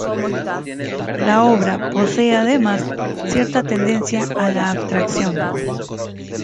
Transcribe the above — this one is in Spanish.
La obra posee además cierta tendencia a la abstracción.